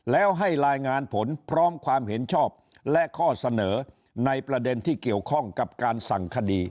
แล้วให้รายงานผลพร้อมความเห็นชอบและข้อเสนอในประเด็นที่เกี่ยวข้องกับการสั่งคดี